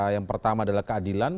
yang pertama adalah keadilan